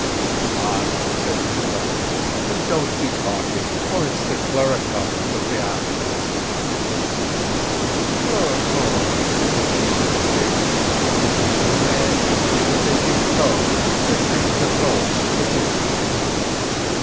"Come on," said Mr Button, "an' don't be talkin', or it's the Cluricaunes will be after us." "What's cluricaunes?" demanded Dick. "Little men no bigger than your thumb that make the brogues for the Good People."